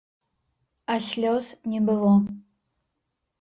А слёз не было.